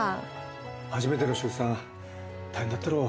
初めての出産大変だったろ？